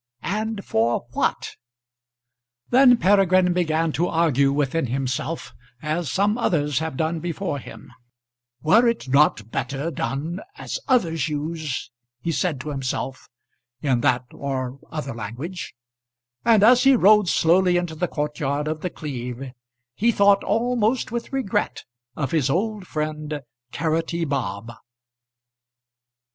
And for what? Then Peregrine began to argue within himself as some others have done before him "Were it not better done as others use " he said to himself, in that or other language; and as he rode slowly into the courtyard of The Cleeve, he thought almost with regret of his old friend Carroty Bob.